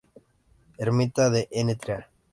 Ermita de Ntra.